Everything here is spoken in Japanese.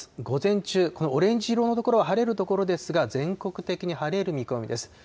午前中、このオレンジ色の所は晴れる所ですが、全国的に晴れる見込みです。